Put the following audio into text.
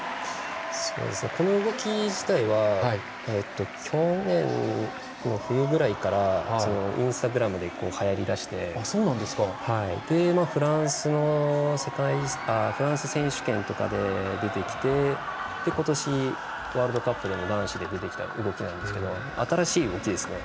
この動き自体は去年の冬ぐらいからインスタグラムで、はやりだしてフランス選手権とかで出てきて今年、ワールドカップでも男子で出てきた動きなんですけど新しい動きですね。